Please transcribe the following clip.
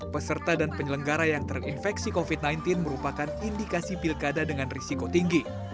peserta dan penyelenggara yang terinfeksi covid sembilan belas merupakan indikasi pilkada dengan risiko tinggi